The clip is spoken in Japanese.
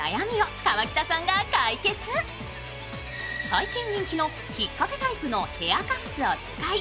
最近人気の引っかけタイプのヘアカフスを使い